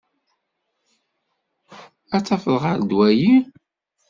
Ad tafeḍ ɣer ddwa-yi.